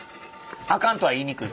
あかんとは言いにくい？